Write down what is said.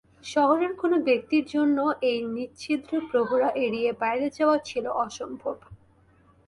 শহরের কোন ব্যক্তির জন্যও এই নিঃছিদ্র প্রহরা এড়িয়ে বাইরে যাওয়া ছিল অসম্ভব।